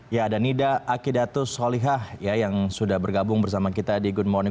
ya ada nida akidatus solihah ya yang sudah bergabung bersama kita di good morning